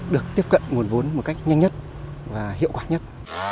được tiếp cận nguồn vốn một cách nhanh nhất và hiệu quả nhất